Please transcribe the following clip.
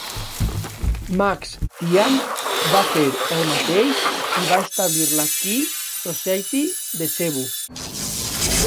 Max Tian va fer el mateix i va establir la Ki Society de Cebu.